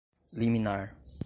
liminar